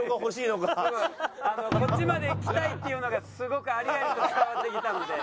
こっちまで来たいっていうのがすごくありありと伝わってきたので。